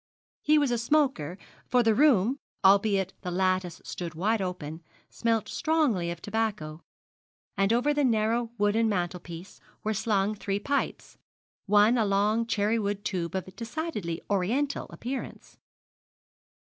He was a smoker, for the room, albeit the lattice stood wide open, smelt strongly of tobacco, and over the narrow wooden mantelpiece were slung three pipes, one a long cherry wood tube of decidedly Oriental appearance.